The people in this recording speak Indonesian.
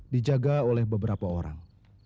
dijaga oleh beberapa orang